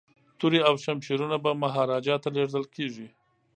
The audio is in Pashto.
توري او شمشیرونه به مهاراجا ته لیږل کیږي.